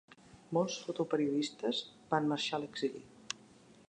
Molts fotoperiodistes van marxar a l'exili.